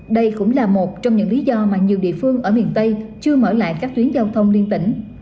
đây cũng là một trong những lý do mà nhiều địa phương ở miền tây chưa mở lại các tuyến giao thông liên tỉnh